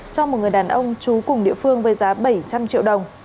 cho một người đàn ông trú cùng địa phương với giá bảy trăm linh triệu đồng